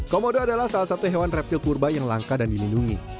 komodo adalah salah satu hewan reptil purba yang langka dan dilindungi